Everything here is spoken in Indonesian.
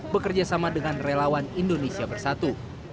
bekerjasama dengan relawan indonesia bersatu